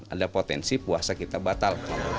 ada potensi puasa kita batal